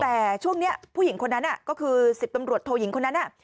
แต่ช่วงนี้ผู้หญิงคนนั้นก็คือ๑๐ตำรวจโทยิงคนนั้น